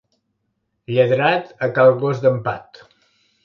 Lladrat a cal gos d'en Pat.